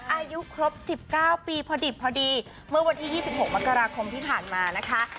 อายุครบ๑๙ปีพอดิบพอดีเมื่อวันที่๒๖มกราคมที่ผ่านมานะคะ